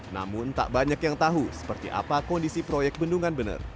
namun tak banyak yang tahu seperti apa kondisi proyek bendungan bener